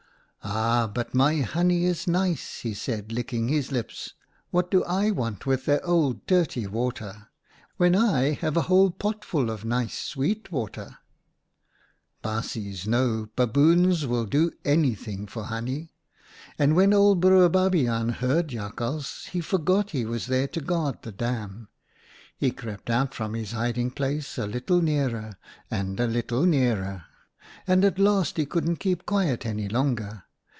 "' Aha ! but my honey is nice/ he said, licking his lips. ' What do I want with their old dirty water, when I have a whole potful of nice sweet water !'" Baasjes know, baboons will do anything for honey, and when old Broer Babiaan heard Jakhals he forgot he was there to guard the dam. He crept out from his hiding place, a 96 OUTA KAREL'S STORIES little nearer, and a little nearer, and at last he couldn't keep quiet any longer.